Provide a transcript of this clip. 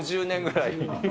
５０年ぐらい？